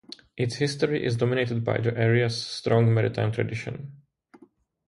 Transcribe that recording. Its history is dominated by the area's strong maritime tradition.